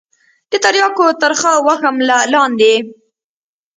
د ترياكو ترخه وږم له لاندې.